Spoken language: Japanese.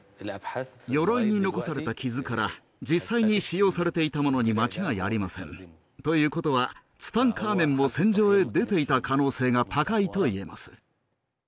鎧に残された傷から実際に使用されていたものに間違いありませんということはツタンカーメンも戦場へ出ていた可能性が高いと言えます